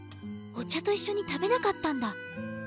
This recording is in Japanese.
お茶といっしょに食べなかったんだ。